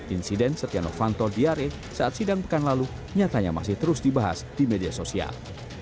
insiden setia novanto diare saat sidang pekan lalu nyatanya masih terus dibahas di media sosial